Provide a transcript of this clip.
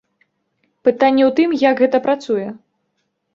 Пытанне ў тым, як гэта працуе.